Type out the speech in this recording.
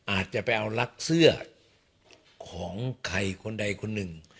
อาจจะไปเอารักเสื้อของใครคนใดคนหนึ่ง